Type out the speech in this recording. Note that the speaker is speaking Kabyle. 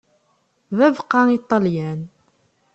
D abeqqa i Ṭalyan.